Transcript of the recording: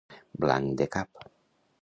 Blanc de cap.